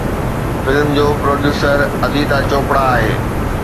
Film جو producer Aditya Chopra آهي.